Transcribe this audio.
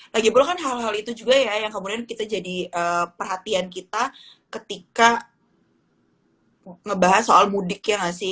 lagi pula kan hal hal itu juga ya yang kemudian kita jadi perhatian kita ketika ngebahas soal mudik ya nggak sih